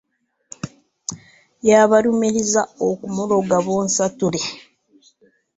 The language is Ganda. Yabalumiriza okumuloga bonsatule.